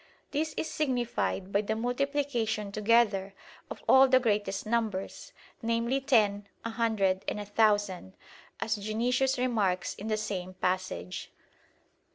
This is signified by the multiplication together of all the greatest numbers, namely ten, a hundred, and a thousand, as Dionysius remarks in the same passage.